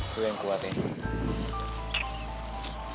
kau yang kuat ini